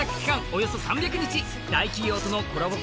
およそ３００日大企業とのコラボ